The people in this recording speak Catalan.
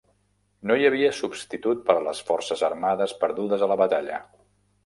No hi havia substitut per a les forces armades perdudes a la batalla.